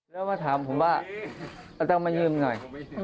แล้วมาถามผมว่าเอาตังมาเงินหน่อย